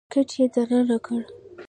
چپرکټ يې دننه کړ.